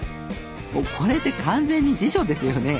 これって完全に辞書ですよね？